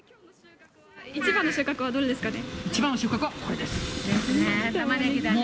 一番の収穫はどれですかね。